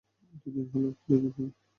দুই দিন হলো।